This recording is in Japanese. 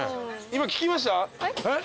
今聞きました？